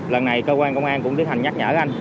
lần này cơ quan công an cũng tiến hành nhắc nhở anh